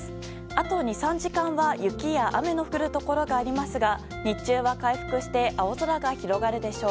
あと２３時間は雪や雨の降るところがありますが日中は回復して青空が広がるでしょう。